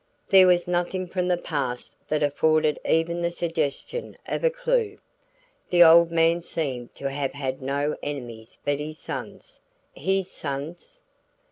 There was nothing from the past that afforded even the suggestion of a clue. The old man seemed to have had no enemies but his sons. His sons?